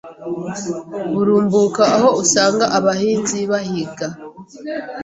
burumbuka aho usanga abahinzi bihinga.